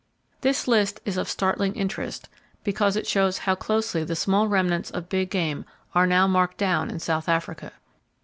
This list is of startling interest, because it shows how closely the small remnants of big game are now marked down in South Africa.